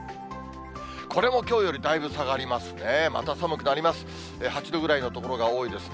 これもきょうよりだいぶ下がりますね。